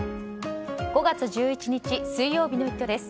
５月１１日、水曜日の「イット！」です。